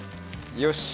よし！